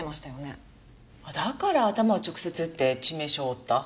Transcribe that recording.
だから頭を直接打って致命傷を負った。